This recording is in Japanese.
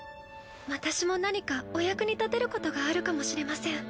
私も何かお役に立てることがあるかもしれません。